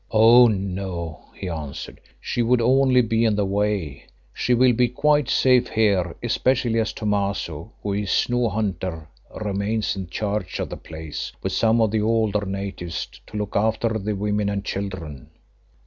"Oh! no," he answered, "she would only be in the way. She will be quite safe here, especially as Thomaso, who is no hunter, remains in charge of the place with some of the older natives to look after the women and children."